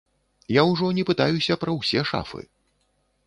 Я ўжо не пытаюся пра ўсе шафы.